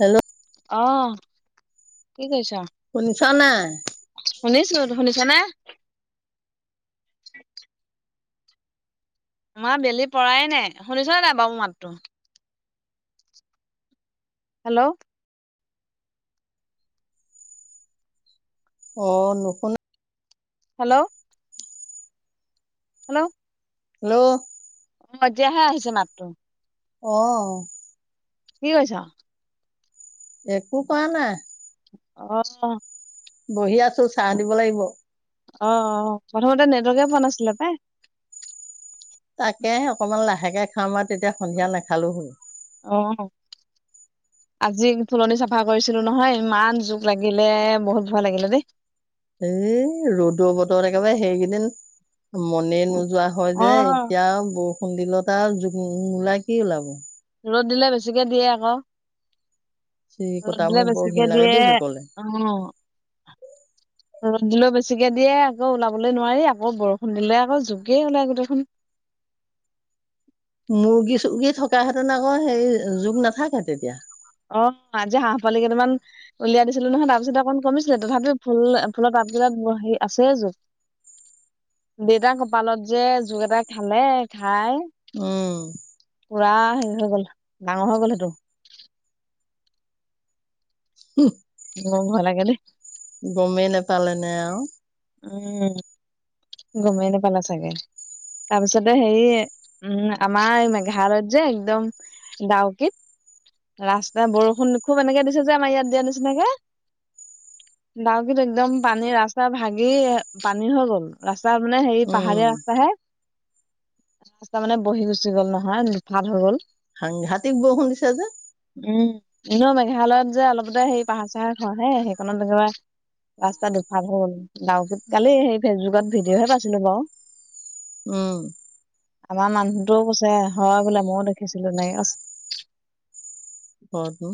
Hello অ কি কৈছা চনা শুনিছো শুনিছা নে মাৰ বেলি পৰায় নাই শুনিছ নাই বাৰু মোৰ মাতটো হেল্ল' অ নুখুন হেল্ল' হেল্ল' হেল্ল' এতিয়াহে আহিছে মাত্ৰ আহ কি কৈছা একো কোৱা নাই আহ বহি আছো চাহ দিব লাগিব অ অ প্ৰথমতে নেটৱৰ্কে পোৱা নাছিলে পাই তাকে অকমান লাহেকে খাাম আৰু তেতিয়া সন্ধিয়া নেখালো হ'ল অ আজি ফুলনি চাফা কৰিছিলো নহয় ইমান জোক লাগিলে বহুত ভয় লাগিলে দেই এ ৰ'দৰ বতৰত একেবাৰে সেইকেইদিন মনে নো যোৱা হয় যে অ', এতিয়া বৰষুণ দিলতাৰ জোক পহু ওলাই কি ওলাব ৰ'দ দিলে বেছিকে দিয়ে আকৌ চিৰিকটা ৰদ দিলে মোৰ বৰ ঘিন বেছিকে লাগে দিয়ে দেই জোকলে। অ দিলেও বেছিকে দিয়ে আকৌ ওলাবলে নোৱাৰি আকৌ বৰষুণ দিলে আকৌ জুোকেই ওলাই গোটেইখন মুৰ্গী চুৰ্গী থকা হেতেন আকৌ হে যোক নাথাকে তেতিয়া অ আজি হাঁহ পোৱালি কেইটামান উলিয়াই দিছিলো নহয় তাৰপিছত অকণ কমিছিলে তথাপি ফুল ফুলৰ তাত কেইটাত হেৰি আছে জোক দেউতাৰ কপালত যে জোক এটা খালে খাই উম, পুৰা হেৰি হৈ গল ডাঙৰ হৈ গ'ল সেইটো উম সেইটো মোৰ ভয় লাগে দে গমেই নোপালে নে আৰু উম গমেই নেপালে চাগে তাৰপিছতে হেৰি উম আমাৰ এই মেঘালয়ত যে একদম ডাউকিত ৰাস্তা বৰষুণ খুব এনেকে দিছে যে আমাৰ ইয়াত দিয়া নিচিনাকে ডাউকিত একদম পানী ৰাস্তা ভাগ কি পানী হৈ গ'ল ৰাস্ত তাৰ মানে হেৰি উম, পাহাৰীয়া ৰাস্তাাহে ৰাস্তা মানে বহি গুচি গ'ল নহয় দুফাল হৈ গ'ল সাংঘতিক বৰষুণ দিছে যে এনেউ মেঘালয়ত যে অলপতে হেই পাহাৰ চাহাৰ খহে সেইখনত একেবা ৰাস্তা দুফাত হৈ গ'ল গাওঁত কালি সেই ফেচবুকত ভিডিঅ'হে পাইছিলো বাৰু উম আমাৰ মানুহটোও কৈছে হয় বোলে মইও দেখিছিলো নাই ক অ তু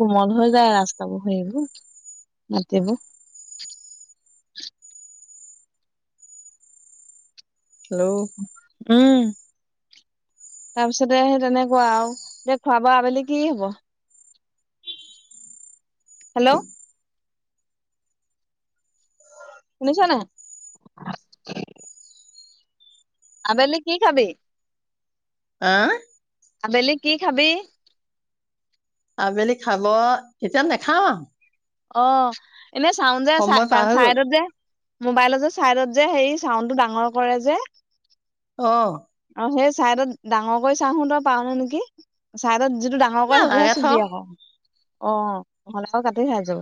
কোমল হৈ যায় ৰাস্তাবোৰ সেই বোৰ মতিবোৰ হেল্ল' উম তাৰপিছতে সেই তেনেকুৱা আৰু এ খোৱা বোৱা আবেলি কি হব হেল্ল' শুনিছানে নাই আবেলি কি খাবি। অহ ', আবেলি কি খাবি। আবেলি খাব এতিয়া নেখাও আৰু। অহ ', এনে চউন্দ যে সময় পাৰ হৈ গ'ল চাইদত যে। মোবাইলত যে চাইডত যে সেই চাউণ্ডটো ডাঙৰ কৰে যে। অহ ', আৰু সেই চাইডত ডাঙৰ কৰি চাচোন তই পাৱনে নেকি চাইডত। যিটো ডাঙৰ কৈ সেইটোহে নালাগে থ চুবি আকৌ। অহ', নহ'লে আকৌ কাটি খাই যাব।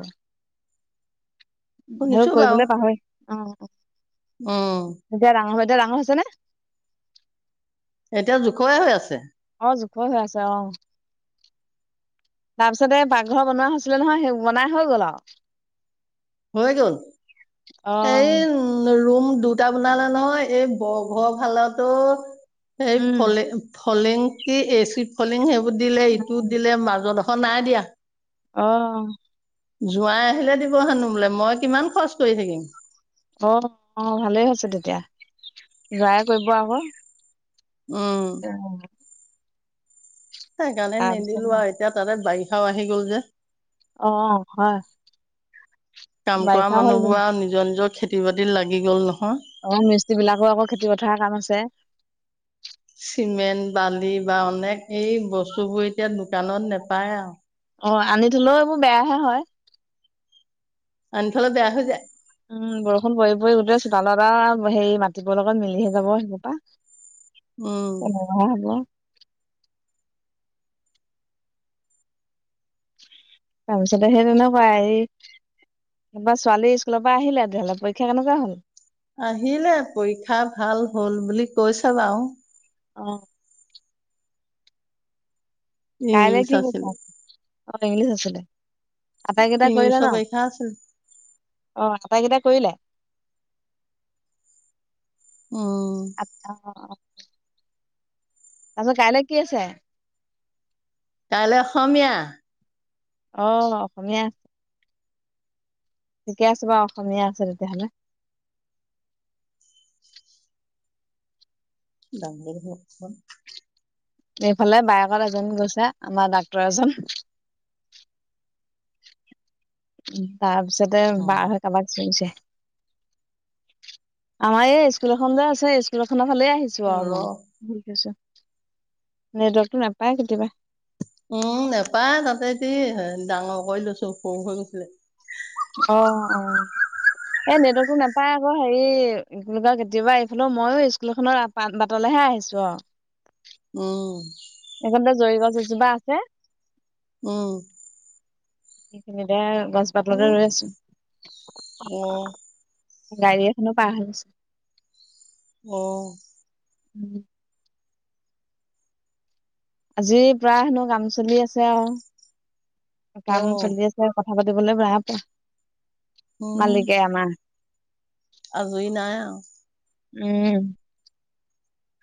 সেই শুনিছো বাৰু কৰিবলৈ পাহৰি অহ ', উম। এতিয়া ডাঙৰ হৈছে নে। এতিয়া জোখৰে হৈ আছে। অহ ', জোখৰ হৈ আছে অহ ', তাৰপিছতে এই পাকঘৰ বনোৱা হৈছিলে নহয় সেই বনাই হৈ গ'ল আৰু। হয় গল অ এই ৰুম। দুটা বনালে নহয় এই বৰঘৰৰ ফালতো। এই উম ফলে। ফলেং কি এচিড ফলেং। দিলে ইটো দিলে মাজত। খন নাই দিয়া। অহ', জোৱাই আহিলে দিব হেনো বোলে মই কিমান খৰচ কৰি থাকিম। অহ ', - অহ ', ভালেই হৈছে তেতিয়া জোৱাই কৰিব আকৌ। উম। সেইকাৰণে তাৰপিছত নিদিলো আৰু এতিয়া তাতে বাৰি। কও আহি গ'ল যে। অহ ', হয় কাম কৰা বাৰিষা হল। মানুহবোৰ আৰু নিজৰ নিজৰ খেতি বাতিত লাগি গ'ল নহয়। অহ ', মিস্ত্ৰী বিলাকো আকৌ খেতি পথাৰৰ কাম আছে। চিমেণ্ট বালি বা অনেক এই বস্তুবোৰ এতিয়া দোকানত নেপায় আৰু। অহ ', আনি থলেও এইবোৰ বেয়াহে হয়। আনি থলে বেয়া হৈ যায় উম, বৰষুণ পৰি - পৰি গোটেই চোতাল আ। সেই মাতিবৰ লগত মিলিহে যাব সেইপা। উম। কেনেবা হব। তাৰপিছতে সেই তেনেকুৱা এই ছোৱালী স্কুলৰ পৰা আহিলে তেতিয়াহলে পৰীক্ষা কেনেকুৱা হ'ল? আহিলে পৰীক্ষা ভাল হ'ল বুলি কৈছে বাৰু। অঁ। কাইলে ইংলিছ কি পৰীক্ষা। আছিলে। অঁ ইংলিছ আছিলে। আটাইকেইটাই কৰিলে ইংলিছৰ ন, পৰীক্ষা আছিল অঁ। আটাইকেইটা কৰিলে। উম [unintelligible] তাৰপাছত কাইলৈ কি আছে। কাইলৈ অসমীয়া। অ' অসমীয়া আছে। ঠিকে আছে বাৰু অসমীয়া আছে তেতিয়াহ'লে। [unintelligible] এইফালে বাইকত এজনী গৈছে আমাৰ ডাক্তৰ এজন। উম তাৰপিছ পিছতে বাৰ হৈ কাৰোবাক চিএৰিচে। আমাৰ এই স্কুল এখন যে আছে, স্কুল এখনত ফাঁলে আহিছো আৰু মই ৰ ঘূৰি ফুৰিছোঁ। নেটৱৰ্কটো নাপায় কেতিয়াবা। উম নেপায় তাতে এ ডাঙৰ কৰি লৈছো সৰু হৈ গৈছিলে। অ অ এই নেটৱৰ্কটো নাপায় আকৌ হেৰি কেতিয়াবা এইফালে ময়ো স্কুলখনৰ বাটলেহে আহিছো আৰু। উম। এইখন তে জৰি গছ এজোপা আছে উম। এইখিনিতে গছ জোপা তলতে ৰৈ আছো। অ গাড়ী এখনো পাৰ হৈ গৈছে। অ'। উম। আজি প্ৰায় হেনো কাম চলি আছে আৰু। অ কাম চলি আছে খাব দিবলৈ বেয়া পায় উম। মালিকে আমাৰ আজৰি নাই আৰু। উম।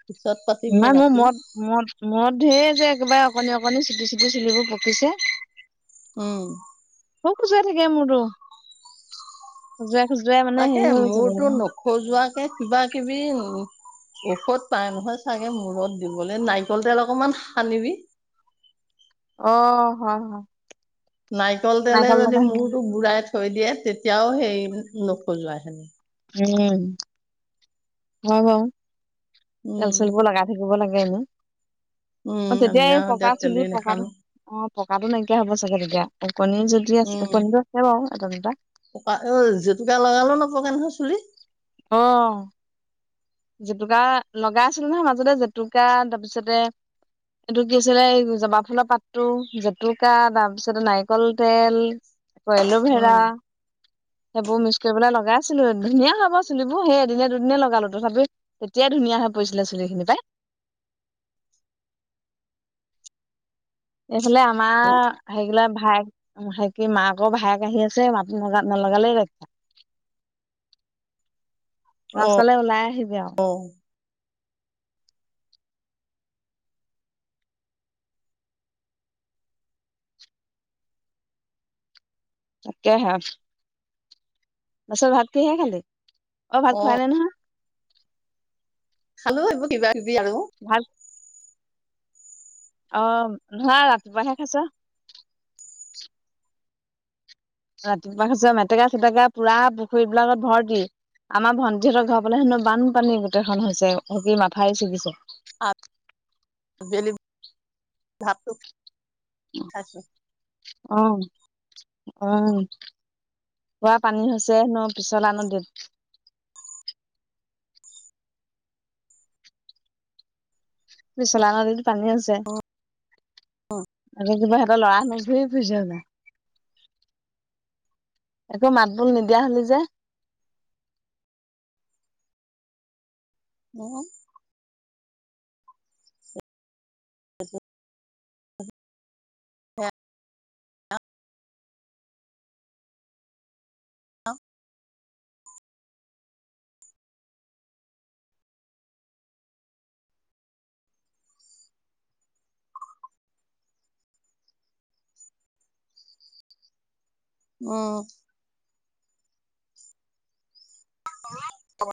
পিছত পাতিব নাই মোৰ ৰাতি মোৰত মোৰত-মোৰত ঢেৰ যে একেবাৰে অকনি-অকনি চুটি- চুটি চুলিবোৰ পকিছে। উম। বৰ খোজোয়াই থাকে মোৰটো। তাকে মোৰতো নখজোৱাকে কিবা কিবি ঔষধ পাই নহয় চাগে মূৰত দিবলৈ নাৰিকল তেল অকমান সানিবি। অ' হয়। নাৰিকল তেলে যদি মূৰটো গুৰাই থাক থৈ দিয়ে তেতিয়াও সেই নোখোজোৱা হেনি উম। হয় বাৰু। ৰেল উম চলিব লগা থাকিব লাগে হয় ন উম অ তেতিয়া আমি এই আৰু এতিয়া পকা চুলি তেলেই পকাটো নাখানো অ পকাটো নাইকিয়া হ'ব চাগে তেতিয়া ওকণি যদি আছে উম ওকণিটো আছে বাৰু এটা দুটা পকা জেতুকা লগালেও নপকে নহয় চুলিত আহ জেতুকা লগাই আছিলে নহয় মাজতে জেতুকা তাৰপিছতে এইটো কি হৈছিলে জবা ফুলৰ পাতটো জেতুকা তাৰপিছতে নাৰিকল তেল কইলো ভেৰা উম সেইবোৰ মিক্স কৰিবলৈ লগাইছিলো ধুনীয়া হ'ব চুলিবোৰ সেই এদিনে দুদিনে লগালো তথাপি তেতিয়াই ধুনীয়া হৈ পৰিছিলে চুলিখিনি পাই এইফালে আমাৰ সেইবিলাক ভায়েক মাকৰ ভায়েক আহি আছে মাত নাত নলগালেই বা অ পাছললৈ ওলাই আহিবি আৰু অ তাকে হে পাচে ভাত কিহেৰে খালি অ ভাত খোৱা নাই নহয় খালো কিবা এটা কবি আলু ভাত অ নহয় ৰাতিপুৱা শেষ খাইছ ৰাতিপুৱা হৈছে মেটেকা চেটেকা পুৰা পুখুৰী বিলাকত ভৰ্তি আমাৰ ভণ্টিহঁতৰ ঘৰ পালে হেনো বানপানী গোটেইখন হৈছে সকি মাথাউৰি ছিগিছে অহ জিলাপী থাকো আহ হয় পুৰা পানী হৈছেে নো পিছলা নদীত পিশছলা নদীত পানী আছে অ কিবা সিহঁতে লৰা ন ঘুৰি ফুৰিছে হ যে একো মাত বোল নিদিয়া হল যে উম আ তাতে হেল্ল উম অ অ